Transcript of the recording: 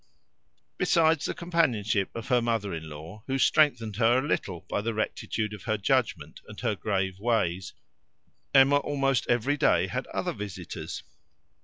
Besides the companionship of her mother in law, who strengthened her a little by the rectitude of her judgment and her grave ways, Emma almost every day had other visitors.